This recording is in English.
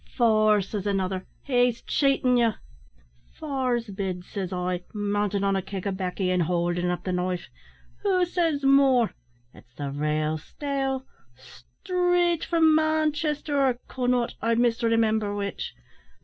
"`Four,' says another; `he's chaitin' ye.' "`Four's bid,' says I, mountin' on a keg o' baccy, and howldin up the knife; `who says more? It's the rale steel, straight from Manchester or Connaught, I misremimber which.